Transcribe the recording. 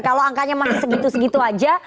kalau angkanya masih segitu segitu aja